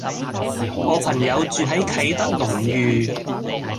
我朋友住喺啟德龍譽